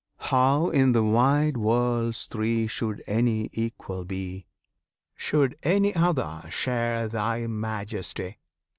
How, in the wide worlds three Should any equal be? Should any other share Thy Majesty?